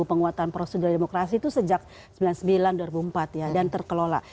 penguatan prosedur demokrasi itu sejak seribu sembilan ratus sembilan puluh sembilan dua ribu empat ya dan terkelola